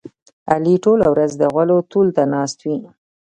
علي ټوله ورځ د غولو تول ته ناست وي.